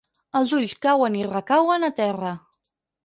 Els ulls cauen i recauen a terra.